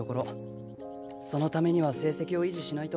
そのためには成績を維持しないと。